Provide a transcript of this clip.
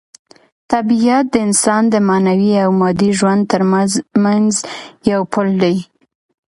طبیعت د انسان د معنوي او مادي ژوند ترمنځ یو پل دی.